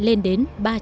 những ánh mắt đau khổ